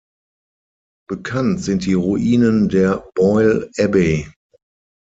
Bekannt sind die Ruinen der Boyle Abbey.